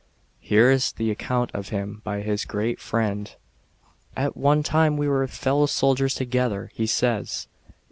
Here is the account of him by his great friend. " At one time we were fellow soldiers together," he says.